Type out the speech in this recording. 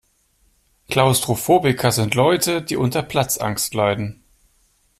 Klaustrophobiker sind Leute, die unter Platzangst leiden.